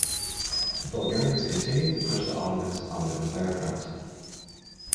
The Bulgarians continued to push the Ottomans on the entire front.